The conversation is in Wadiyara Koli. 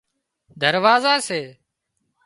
دروازا سي